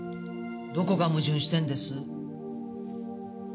どこが矛盾してんです？